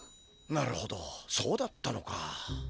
なるほどそうだったのか。